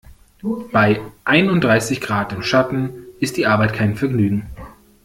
Bei einunddreißig Grad im Schatten ist die Arbeit kein Vergnügen.